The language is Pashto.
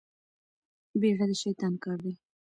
بيړه د شيطان کار دی.